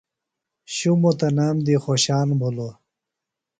شُمو تنام دیۡ خوشان بھِلوۡ۔